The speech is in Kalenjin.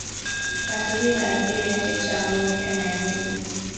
Kasubik ap mbiret che chang komiten Nairobi